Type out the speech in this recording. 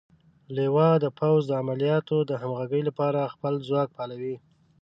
لوا د پوځ د عملیاتو د همغږۍ لپاره خپل ځواک فعالوي.